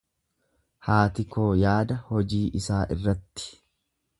Haati koo yaada hojii isaa irratti.